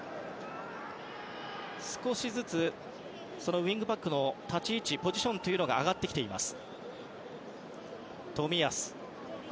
少しずつウィングバックの立ち位置、ポジションが上がってきています。